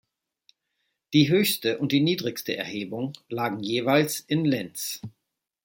Die höchste und die niedrigste Erhebung lagen jeweils in Lens.